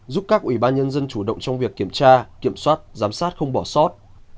giúp các ủy ban nhân dân chủ động trong việc kiểm tra kiểm soát giám sát không bỏ sót